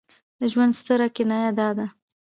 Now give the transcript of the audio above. د ژوند ستره کنایه دا ده.